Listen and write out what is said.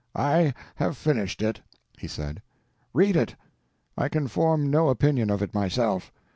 "I have finished it," he said; "read it. I can form no opinion of it myself.